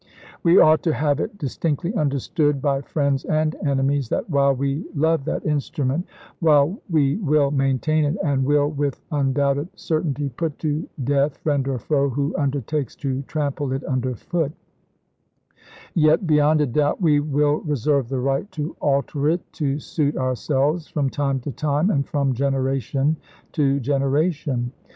"We ought to have it distinctly understood by friends and enemies that while we love that instrument, [while] we will maintain it, and will, with un doubted certainty, put to death friend or foe who undertakes to trample it under foot ; yet, beyond a doubt, we will reserve the right to alter it to suit ourselves from time to time and from generation to generation."